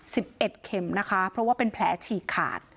สิบเอ็ดเข็มนะคะเพราะว่าเป็นแผลฉีกขาด